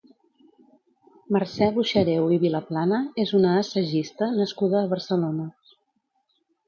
Mercè Boixareu i Vilaplana és una «Assagista» nascuda a Barcelona.